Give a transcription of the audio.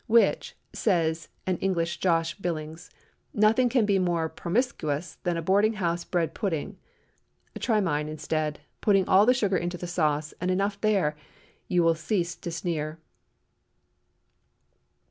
"Which," says an English Josh. Billings, "nothing can be more promiskus than a boarding house bread pudding." Try mine instead, putting all the sugar into the sauce, and enough there, and you will cease to sneer.